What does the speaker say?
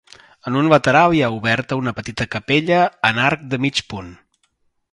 En un lateral hi ha oberta una petita capella en arc de mig punt.